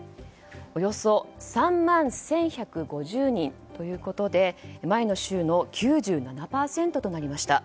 およそ３万１１５０人ということで前の週の９７％となりました。